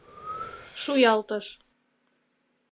Шуялтыш.